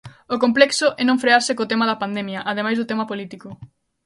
O complexo é non frearse co tema da pandemia, ademais do tema político.